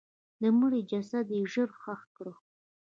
د مړي جسد یې ژر ښخ کړ.